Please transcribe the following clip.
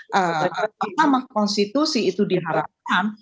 ketika mahkamah konstitusi itu diharapkan